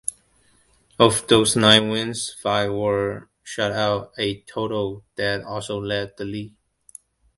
Of those nine wins, five were shutouts, a total that also led the league.